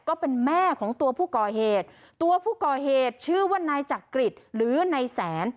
ก็เป็นแม่ของตัวผู้ก่อเหตุตัวผู้ก่อเหตุชื่อว่านายจักริตหรือนายแสน